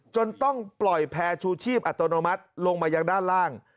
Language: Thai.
จนต้องปล่อยแพร่ชูชีพอัตโนมัติลงมายังด้านล่าง